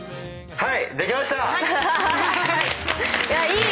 はい！